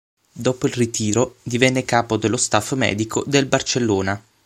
Dopo il ritiro divenne capo dello staff medico del Barcellona.